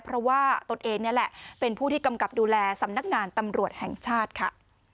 เพราะว่าตนเองนี่แหละเป็นผู้ที่กำกับดูแลสำนักงานตำรวจแห่งชาติค่ะ